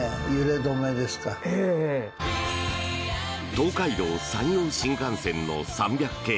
東海道・山陽新幹線の３００系。